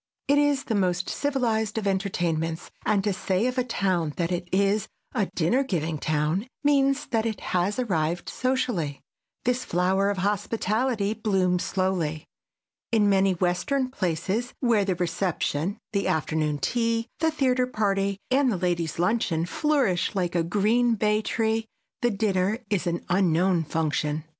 It is the most civilized of entertainments, and to say of a town that it is a dinner giving town means that it has arrived socially. This flower of hospitality blooms slowly. In many western places where the reception, the afternoon tea, the theater party and the ladies' luncheon flourish like a green bay tree, the dinner is an unknown function.